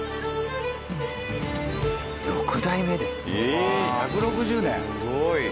６代目ですって。